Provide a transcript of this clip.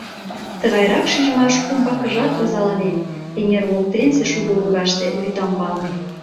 Тыгайрак шижмаш умбакыжат озаланен – эҥер воктенсе шудо лоҥгаште, вӱтамбалне.